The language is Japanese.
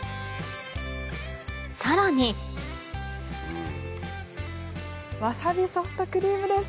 さらにわさびソフトクリームです